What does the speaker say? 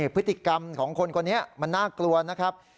พฤติกรรมของคนคนนี้มันน่ากลัวนะครับ